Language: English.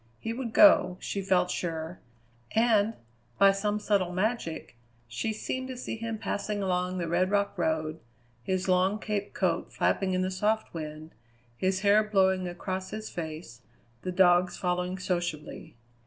He would go, she felt sure, and, by some subtle magic, she seemed to see him passing along the red rock road, his long caped coat flapping in the soft wind, his hair blowing across his face, the dogs following sociably.